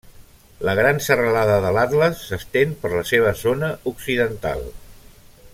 La gran serralada de l'Atles s'estén per la seva zona occidental.